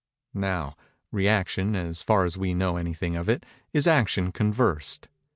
_ Now, Rëaction, as far as we know anything of it, is Action conversed.